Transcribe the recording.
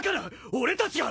俺たちが！？